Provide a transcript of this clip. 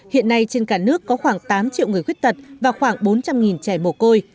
hiện nay trên cả nước có khoảng tám triệu người khuyết tật và khoảng bốn trăm linh trẻ mồ côi